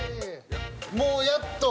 もうやっと。